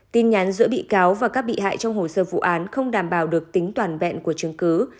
tin nhắn giữa bị cáo và các bị hại trong hồ sơ vụ án không đảm bảo được tính toàn vẹn của chứng cứ